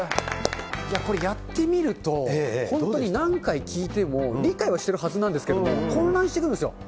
いや、これやってみると、本当に何回聞いても理解はしてるはずなんですけど、混乱してくるんですよ。